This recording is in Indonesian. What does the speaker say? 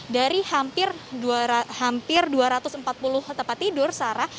dari hampir dua ratus empat puluh tempat tidur sarah